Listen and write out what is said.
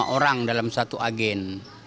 empat puluh lima orang dalam satu agen